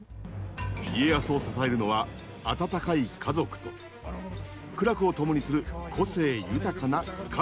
家康を支えるのは温かい家族と苦楽を共にする個性豊かな家臣たち。